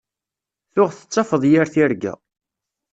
Tuɣ tettafeḍ yir tirga.